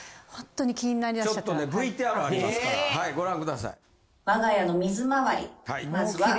ちょっとねＶＴＲありますから。